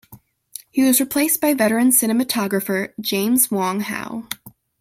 He was replaced by veteran cinematographer, James Wong Howe.